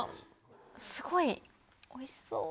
すごいおいしそう。